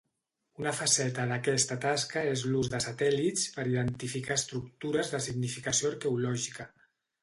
Una faceta d'aquesta tasca és l'ús de satèl·lits per identificar estructures de significació arqueològica.